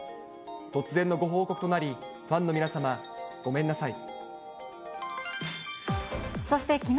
突然のご報告となり、ファンの皆様、ごめんなさい。